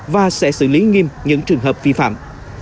và sẽ xử lý nghiêm những trường hợp vi phạm